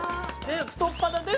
太っ腹です！